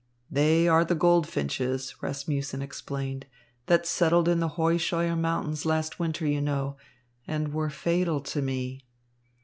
"They are the goldfinches," Rasmussen explained, "that settled in the Heuscheuer Mountains last winter, you know, and were fatal to me."